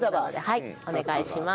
はいお願いします。